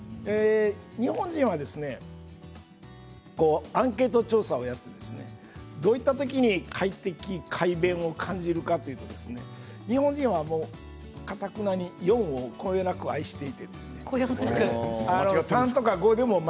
日本人にアンケート調査をするとどういった時に快適、快便を感じるかというと日本人はかたくなに４をこよなく愛してます。